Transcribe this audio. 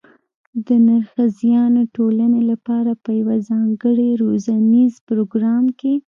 د نرښځیانو ټولنې لپاره په یوه ځانګړي روزنیز پروګرام کې